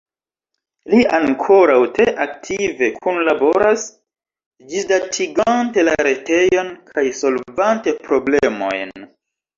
Li ankoraŭ tre aktive kunlaboras, ĝisdatigante la retejon kaj solvante problemojn.